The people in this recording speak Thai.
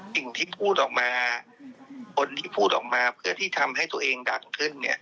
สิ่งที่พูดออกมาคนที่พูดออกมาเพื่อที่ทำให้ตัวเองดังขึ้นเนี่ย